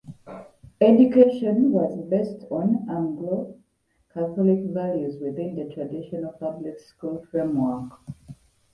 Education was based on Anglo-Catholic values within a traditional public school framework.